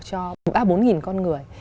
cho ba bốn nghìn con người